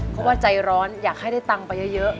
เพราะว่าใจร้อนอยากให้ได้ตังค์ไปเยอะ